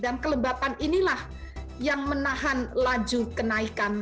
dan kelembapan inilah yang menahan laju kenaikan